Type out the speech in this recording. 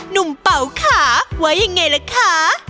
นุ่มเป่าขาว่าอย่างไงละคะ